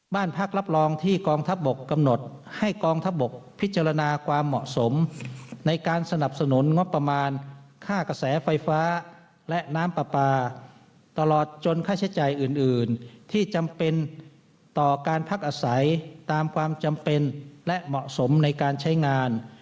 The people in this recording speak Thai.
บ้านพักรับรองที่กองทัพบกกำหนดให้กองทัพบกพิจารณาความเหมาะสมในการสนับสนุนงบประมาณค่ากระแสไฟฟ้าและน้ำปลาปลาตลอดจนค่าใช้จ่ายอื่นที่จำเป็นต่อการพักอาศัยตามความจำเป็นและเหมาะสมในการใช้งาน